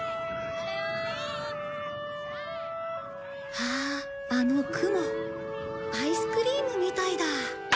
あああの雲アイスクリームみたいだ。